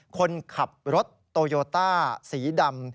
คนขับรถโตโยต้าสีดำ